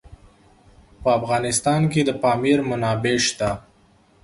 په افغانستان کې د پامیر منابع شته.